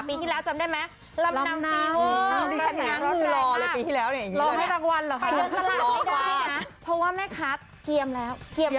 ปีที่แล้วจำได้ไหม